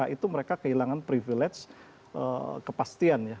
itu mereka kehilangan privilege kepastian ya